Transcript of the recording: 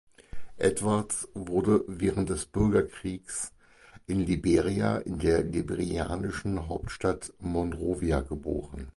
Edwards wurde während des Bürgerkriegs in Liberia in der liberianischen Hauptstadt Monrovia geboren.